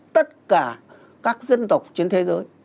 tất cả các dân tộc trên thế giới